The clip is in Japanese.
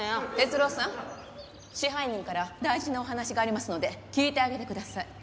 哲郎さん支配人から大事なお話がありますので聞いてあげてください。